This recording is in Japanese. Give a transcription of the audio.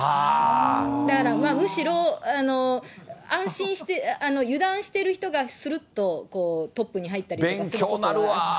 だからむしろ、安心して、油断してる人がするっとトップに入ったり。